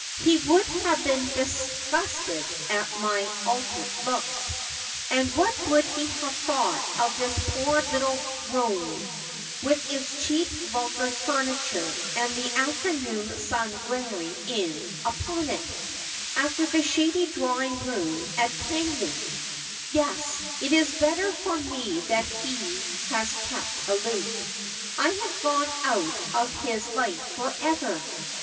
' He would have been disgusted at my altered looks. And what would he have thought; of this poor little loom, with its cheap, vulgar furniture, and the afternoon sun glaring in upon it, after the shady drawing room at Tangley 1 Yes, it is better for me that he has kept aloof. I have gone out of his life for ever.